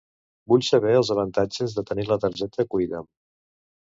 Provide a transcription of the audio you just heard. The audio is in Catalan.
Vull saber els avantatges de tenir la targeta Cuida'm.